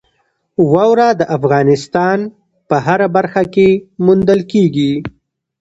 واوره د افغانستان په هره برخه کې موندل کېږي.